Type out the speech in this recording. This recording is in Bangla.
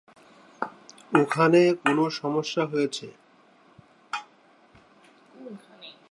ওখানে কোন সমস্যা হয়েছে?